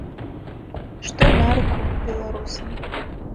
Што на руку беларусам.